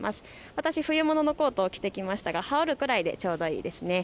私、冬物のコート着てきましたが羽織るくらいでちょうどいいです。